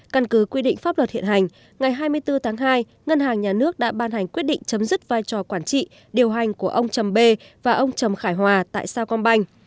căn cứ quy định pháp luật hiện hành ngày hai mươi bốn tháng hai ngân hàng nhà nước đã ban hành quyết định chấm dứt vai trò quản trị điều hành của ông trầm bê và ông trầm khải hòa tại sao công banh